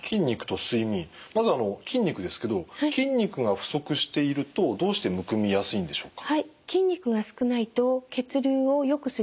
まずあの筋肉ですけど筋肉が不足しているとどうしてむくみやすいんでしょうか？